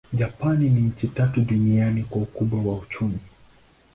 Japani ni nchi ya tatu duniani kwa ukubwa wa uchumi.